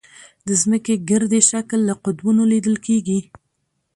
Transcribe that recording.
د ځمکې ګردي شکل له قطبونو لیدل کېږي.